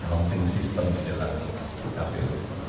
mounting system di dalam kpu